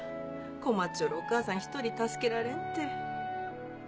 困っちょるお母さん一人助けられんて。